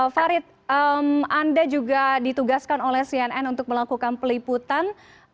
farid anda juga ditugaskan oleh cnn untuk melakukan peliputan